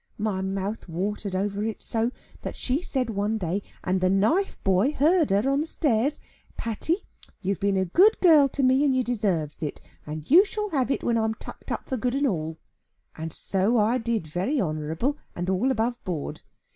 My mouth watered over it so, that she said one day, and the knife boy heard her on the stairs, 'Patty, you've been a good girl to me, and you deserves it, and you shall have it, when I am tucked up for good and all.' And so I did, very honourable, and all above board.